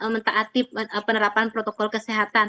mentaati penerapan protokol kesehatan